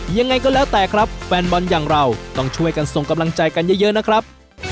ยังไงก็แล้วแต่ครับแฟนบอลอย่างเราต้องช่วยกันส่งกำลังใจกันเยอะนะครับ